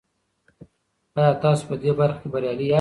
آیا تاسو په دې برخه کې بریالي یاست؟